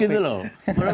jadi kayak serius gitu loh